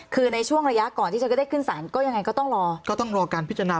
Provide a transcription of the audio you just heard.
คือในช่วงระยะก่อนที่ฉันก็ได้ขึ้นศาลก็ยังไงก็ต้องรอก็ต้องรอการพิจารณา